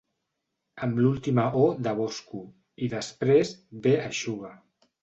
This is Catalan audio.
Amb l'última o de Bosco i després «ve, eixuga».